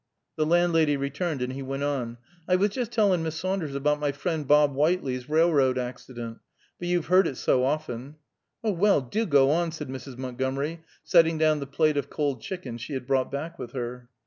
The landlady returned, and he went on, "I was just tellin' Miss Saunders about my friend Bob Whiteley's railroad accident. But you've heard it so often." "Oh, well, do go on!" said Mrs. Montgomery, setting down the plate of cold chicken she had brought back with her.